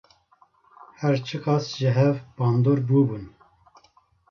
Her çi qas ji hev bandor bûbin.